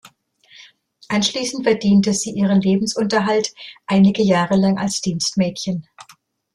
Anschließend verdiente sie ihren Lebensunterhalt einige Jahre lang als Dienstmädchen.